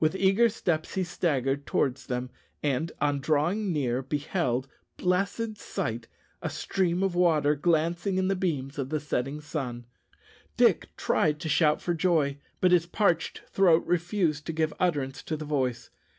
With eager steps he staggered towards them, and, on drawing near, beheld blessed sight! a stream of water glancing in the beams of the setting sun. Dick tried to shout for joy, but his parched throat refused to give utterance to the voice.